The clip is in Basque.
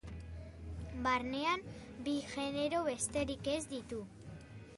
Barnean bi genero besterik ez ditu.